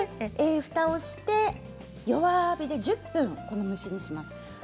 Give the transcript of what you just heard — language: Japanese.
ふたをして弱火で１０分蒸し煮します。